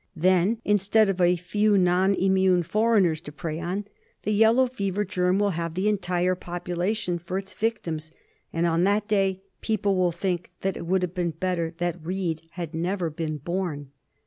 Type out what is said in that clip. Then instead of a few non immune foreigners to prey on the yellow fever germ will have the entire population for its victims, and on that day people will think that it would have been better had Reed never been born.